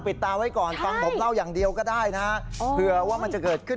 ตาไว้ก่อนฟังผมเล่าอย่างเดียวก็ได้นะฮะเผื่อว่ามันจะเกิดขึ้น